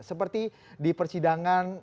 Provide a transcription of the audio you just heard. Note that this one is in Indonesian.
seperti di persidangan